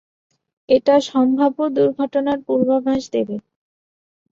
এটা সম্ভাব্য দুর্ঘটনার পূর্বাভাস দেবে।